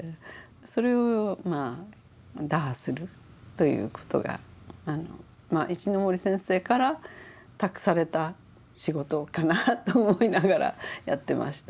それを打破するという事が石森先生から託された仕事かなと思いながらやってました。